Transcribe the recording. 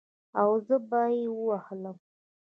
او زه به يې ووهلم.